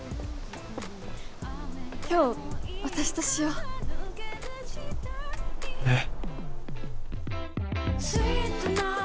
今日私としようえっ？